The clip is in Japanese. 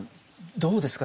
どうですか？